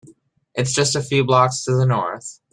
It’s just a few blocks to the North.